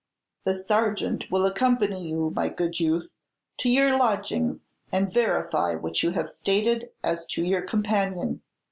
"The sergeant will accompany you, my good youth, to your lodgings, and verify what you have stated as to your companion.